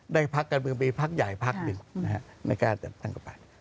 ได้พักกันมีพักใหญ่พักหนึ่ง